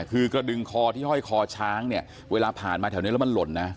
คือกระดึงคอที่ห้อยคอช้างเนี่ยเวลาผ่านมาแถวนี้แล้วมันหล่นนะ